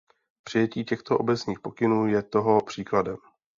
Přijetí těchto obecných pokynů je toho příkladem.